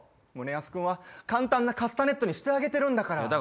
宗安君は簡単なカスタネットにしてあげてるんだから。